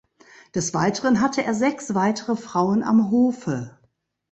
Des Weiteren hatte er sechs weitere Frauen am Hofe.